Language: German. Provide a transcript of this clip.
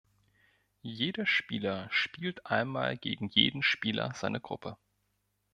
Jeder Spieler spielt einmal gegen jeden Spieler seiner Gruppe.